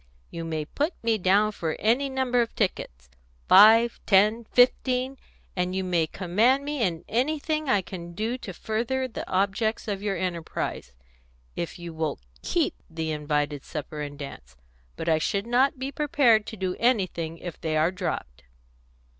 "You may put me down for any number of tickets five, ten, fifteen and you may command me in anything I can do to further the objects of your enterprise, if you will keep the invited supper and dance. But I should not be prepared to do anything if they are dropped."